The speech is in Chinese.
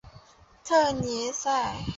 特尼塞。